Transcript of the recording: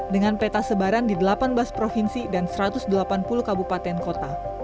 dengan peta sebaran di delapan belas provinsi dan satu ratus delapan puluh kabupaten kota